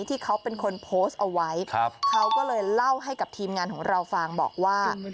ที่เขาเป็นคนโพสต์เอาไว้เขาก็เลยเล่าให้กับทีมงานของเราฟังบอกว่า